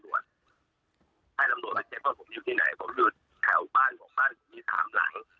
ผมอยู่แถวบ้านผมบ้านที่มีสามหลัง